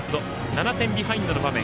７点ビハインドの場面。